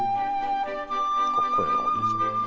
かっこええなおじいちゃん。